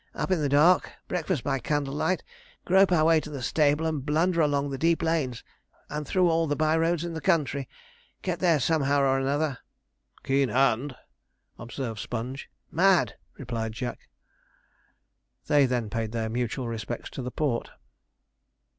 Up in the dark, breakfast by candlelight, grope our ways to the stable, and blunder along the deep lanes, and through all the by roads in the country get there somehow or another.' 'Keen hand!' observed Sponge. 'Mad!' replied Jack. They then paid their mutual respects to the port.